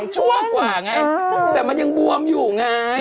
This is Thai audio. ชั่วกว่าไงแต่มันยังบวมอยู่ไง